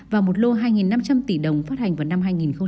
và một lô hai năm trăm linh tỷ đồng phát hành vào năm hai nghìn một mươi năm